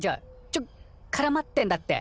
ちょっからまってんだって。